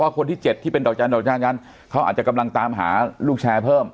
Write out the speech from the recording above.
เพราะว่าคนที่เจ็ดที่เป็นด่าวจันทร์ด่าวจันทร์จันทร์เขาอาจจะกำลังตามหาลูกแชร์เพิ่ม